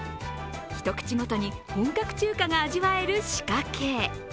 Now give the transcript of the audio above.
一口ごとに本格中華が味わえる仕掛け。